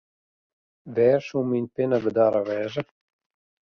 Wêr soe myn pinne bedarre wêze?